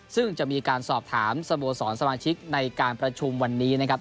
ซึ่งจะมีการสอบถามสโมสรสมาชิกในการประชุมวันนี้นะครับ